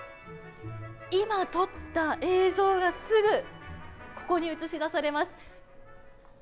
今撮った映像がすぐ、ここに映し出されます。